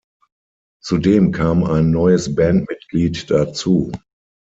Zudem kam ein neues Bandmitglied dazu.